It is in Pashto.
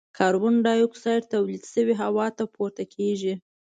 کاربن ډای اکسایډ تولید شوی هوا ته پورته کیږي.